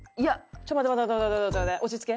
ちょっと待って待って！